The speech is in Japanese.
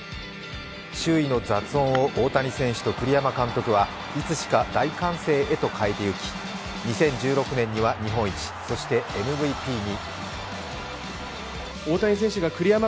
周囲の雑音を大谷選手と栗山監督はいつしか大歓声へと変えていき、２０１６年には日本一、そしてＭＶＰに。